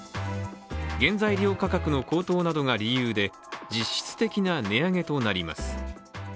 原材料価格の高騰などが理由で実質的な値上げとなります。